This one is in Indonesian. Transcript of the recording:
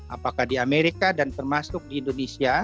apakah di amerika dan termasuk di indonesia